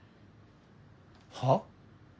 はっ？